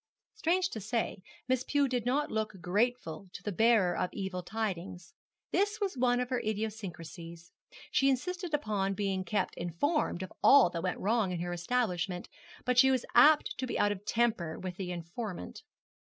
Strange to say, Miss Pew did not look grateful to the bearer of evil tidings. This was one of her idiosyncrasies. She insisted upon being kept informed of all that went wrong in her establishment, but she was apt to be out of temper with the informant.